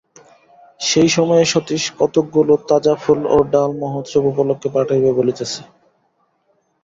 সেই সময়ে সতীশ কতকগুলো তাজাফুল ও ডাল মহোৎসব উপলক্ষে পাঠাইবে বলিতেছে।